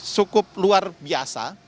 cukup luar biasa